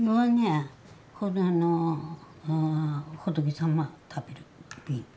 仏様食べる弁当。